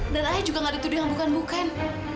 dan ayah juga gak dituduh yang bukan bukan